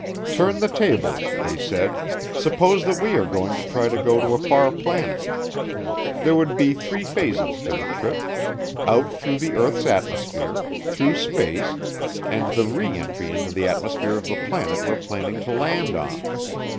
Turn the tables, they said, suppose that we are going to try to go to a far planet. There would be three phases to the trip: out through the earth's atmosphere, through space, and the re entry into the atmosphere of the planet we're planning to land on.